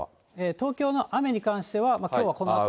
東京の雨に関しては、きょうはこのあと。